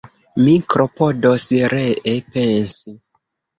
Mi klopodos ree pensi.